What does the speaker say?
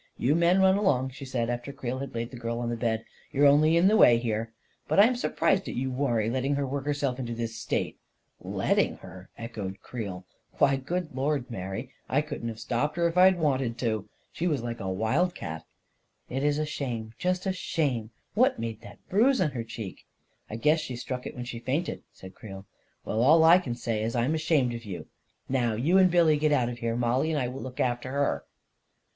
44 You men run along," she said, after Creel had laid the girl on the bed. 44 You're only in the way here. But I'm surprised at you, Warrie, letting her work herself into this state." 44 Letting her I " echoed Creel. <4 Why, good 262 A KING IN BABYLON lord, Mary, I couldn't have stopped her if I'd wanted to. She was like a wild cat! " 41 It's a shame, just the same 1 What made that bruise on her cheek ?"" I guess she struck it when she fainted," said Creel. "Well, all I can say is I'm ashamed of youl Now you and Billy get out of here. Mollie and I will look after her."